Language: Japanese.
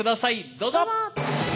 どうぞ！